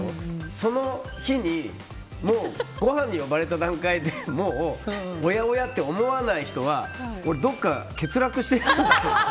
その日に、もうごはんに呼ばれた段階でおやおやって思わない人はどこか欠落してると思う。